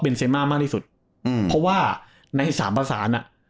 แบลเซมมาร์มากที่สุดเพราะว่าในสามประสานอะ